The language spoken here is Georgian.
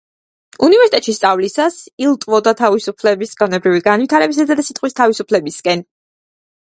უნივერსიტეტში სწავლისას ილტვოდა თავისუფლების, გონებრივი განვითარებისა და სიტყვის თავისუფლებისკენ.